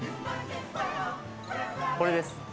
これです